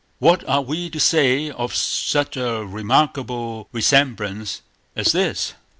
What are we to say of such a remarkable resemblance as this?